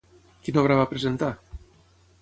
Quina obra va presentar?